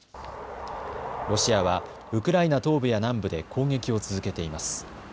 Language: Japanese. ロシアはウクライナ東部や南部で攻撃を続けています。